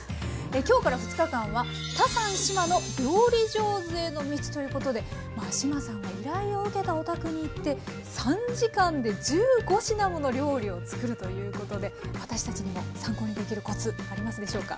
今日から２日間は「タサン志麻の料理上手への道」ということで志麻さんは依頼を受けたお宅に行って３時間で１５品もの料理を作るというということで私たちにも参考にできるコツありますでしょうか？